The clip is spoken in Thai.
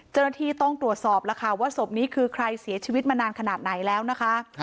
เจ้าหน้าที่ต้องตรวจสอบแล้วค่ะว่าศพนี้คือใครเสียชีวิตมานานขนาดไหนแล้วนะคะ